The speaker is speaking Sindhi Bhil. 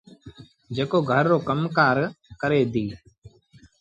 جيڪو گھر رو ڪم ڪآر ڪري ديٚ۔